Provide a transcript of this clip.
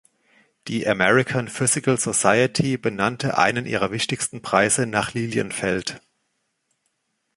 Die American Physical Society benannte einen ihrer wichtigsten Preise nach Lilienfeld.